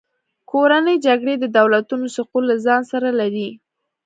کورنۍ جګړې د دولتونو سقوط له ځان سره لري.